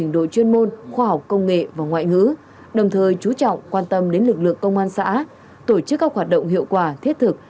đồng thời chú trọng quan tâm đến lực lượng công an xã tổ chức các hoạt động hiệu quả thiết thực